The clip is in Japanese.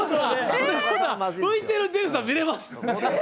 浮いてる出口さん見れます。